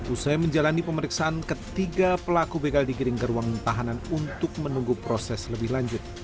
usai menjalani pemeriksaan ketiga pelaku begal digiring ke ruang tahanan untuk menunggu proses lebih lanjut